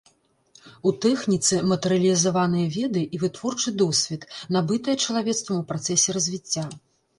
У тэхніцы матэрыялізаваныя веды і вытворчы досвед, набытыя чалавецтвам у працэсе развіцця.